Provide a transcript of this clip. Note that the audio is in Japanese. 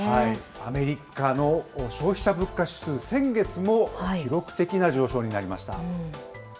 アメリカの消費者物価指数、先月も記録的な上昇になりました。